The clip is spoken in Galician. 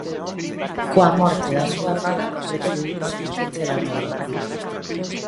Coa morte da súa amada recluíuse en Celanova.